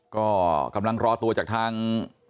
ก็กำลังรอตัวจากทาง